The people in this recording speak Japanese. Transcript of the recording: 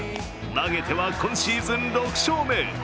投げては今シーズン６勝目。